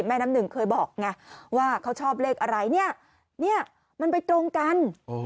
แม่น้ำหนึ่งเคยบอกไงว่าเขาชอบเลขอะไรเนี่ยมันไปตรงกัน